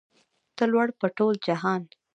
ته لوړ په ټول جهان